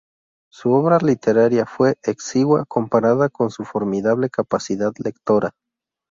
Su obra literaria fue exigua comparada con su formidable capacidad lectora.